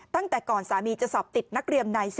ตั้งแต่ก่อนสามีจะสอบติดนักเรียนใน๑๐